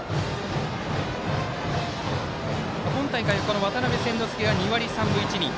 今大会、渡邉千之亮は２割３分１厘。